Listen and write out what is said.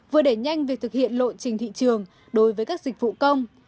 vừa đẩy nhanh việc thực hiện lộ trình thị trường đối với các dịch vụ công